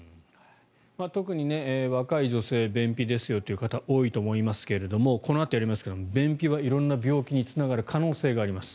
特に若い女性便秘ですよという方多いと思いますけれどこのあとやりますが便秘は色々な病気につながる可能性があります。